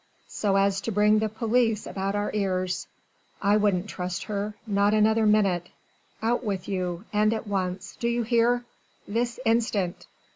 so as to bring the police about our ears ... I wouldn't trust her, not another minute. Out with you and at once do you hear?... this instant